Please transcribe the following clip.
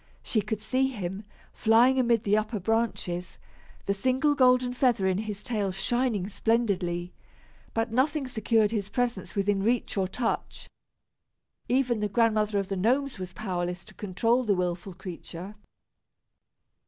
She could see him, flying amid the upper branches, the single golden feather in his tail shining splendidly, but nothing secured his presence within reach or touch. Even the Grandmother of the Gnomes was powerless to control the wilful creature.